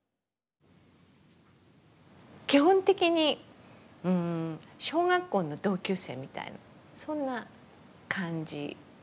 基本的にうん小学校の同級生みたいなそんな感じ。